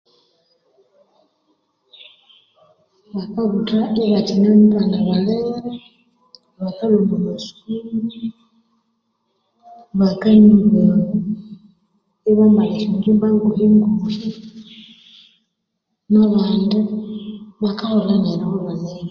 Bakabutha ibakyine bana balere bakalhwa omwa masukuru bakambalha esyangyimba nguhinguhi